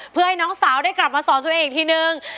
เพื่อให้น้องสาวได้กลับมาสอนตัวเองอีกทีนึง